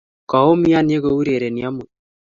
Koumian yokourereni amut